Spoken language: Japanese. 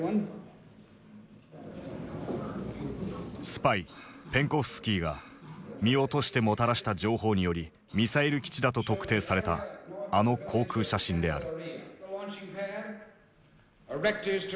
スパイ・ペンコフスキーが身を賭してもたらした情報によりミサイル基地だと特定されたあの航空写真である。